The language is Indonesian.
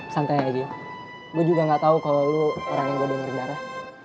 santai aja gue juga gak tau kalo lo orang yang gue donorin darah